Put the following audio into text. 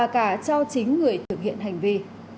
các người thực hiện hành vi